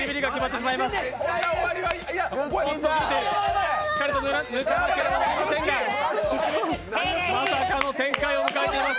しっかりと抜かなければなりませんがまさかの展開を迎えています。